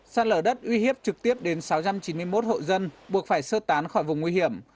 sát lở đất uy hiếp trực tiếp đến sáu trăm chín mươi một hộ dân buộc phải sơ tán khỏi vùng nguy hiểm